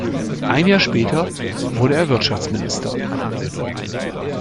Ein Jahr später wurde er Wirtschaftsminister.